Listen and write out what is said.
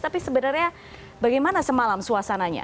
tapi sebenarnya bagaimana semalam suasananya